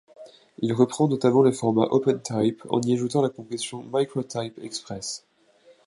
Il reprend notamment le format OpenType en y ajoutant la compression MicroType Express.